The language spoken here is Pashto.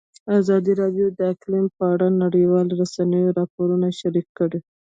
ازادي راډیو د اقلیم په اړه د نړیوالو رسنیو راپورونه شریک کړي.